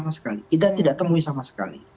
kita tidak ada sama sekali kita tidak temui sama sekali